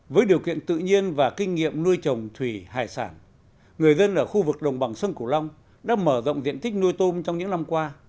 với điều kiện tự nhiên và kinh nghiệm nuôi trồng thủy hải sản người dân ở khu vực đồng bằng sông cửu long đã mở rộng diện tích nuôi tôm trong những năm qua